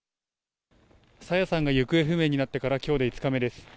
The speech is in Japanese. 朝芽さんが行方不明になってからきょうで５日目です。